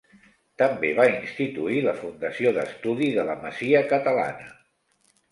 També va instituir la Fundació d'Estudi de la Masia Catalana.